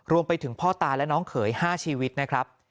รวมไปถึงพ่อตาและน้องเขย๕ชีวิตนะครับ